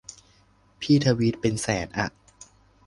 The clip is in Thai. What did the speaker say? พี่ทวีตเป็นแสนอะ